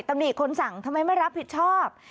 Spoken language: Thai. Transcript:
ตำหนิคนสั่งทำไมไม่รับผิดชอบ